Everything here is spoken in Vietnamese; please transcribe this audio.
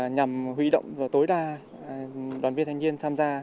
nhằm hủy động và tối đa đoàn viên thanh niên tham gia